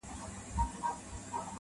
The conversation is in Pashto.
په شېلو کي پړانګ په منډو کړ ځان ستړی -